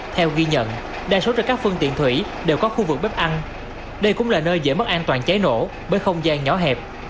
theo ghi nhận đa số trên các phương tiện thủy đều có khu vực bếp ăn đây cũng là nơi dễ mất an toàn cháy nổ bởi không gian nhỏ hẹp